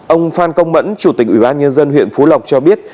ông phan công mẫn chủ tịch ủy ban nhân dân huyện phú lộc cho biết